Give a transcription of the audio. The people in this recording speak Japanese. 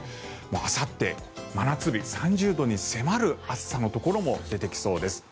あさって、真夏日３０度に迫る暑さのところも出てきそうです。